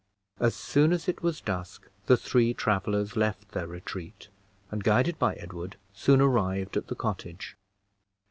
As soon as it was dusk the three travelers left their retreat, and, guided by Edward, soon arrived at the cottage.